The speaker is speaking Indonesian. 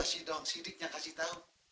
masih dong sidiknya kasih tau